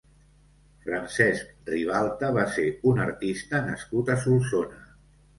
Francesc Ribalta va ser un artista nascut a Solsona.